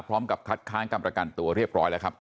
พร้อมกับคัดค้างการประกันตัวเรียบร้อยแล้วครับ